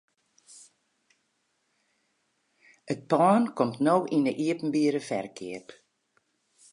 It pân komt no yn 'e iepenbiere ferkeap.